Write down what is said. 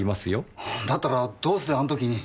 だったらどうしてあの時に。